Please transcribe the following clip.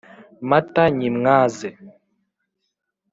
Mata nyimwaze